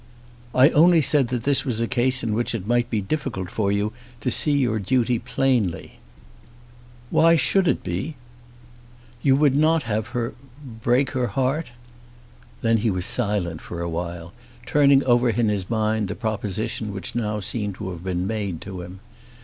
"I only said that this was a case in which it might be difficult for you to see your duty plainly." "Why should it be?" "You would not have her break her heart?" Then he was silent for awhile, turning over in his mind the proposition which now seemed to have been made to him.